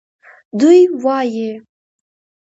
دوی وایي